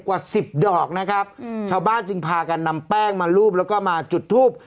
กว่าสิบดอกนะครับชาวบ้านจึงพากันนำแป้งมารูปแล้วก็มาจุดทูบ